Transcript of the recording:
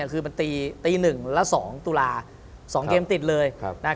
คือมันตี๑และ๒ตุลา๒เกมติดเลย